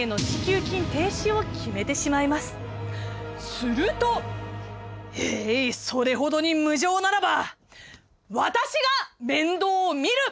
すると『えいそれほどに無情ならば私が面倒を見る！』。